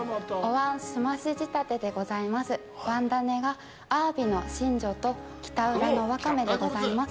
わん種は、アワビの真薯と北浦のワカメでございます。